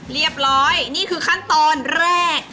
เรียบร้อยนี่คือขั้นตอนแรก